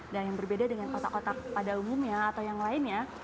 dan yang berbeda dengan otak otak pada umumnya atau yang lainnya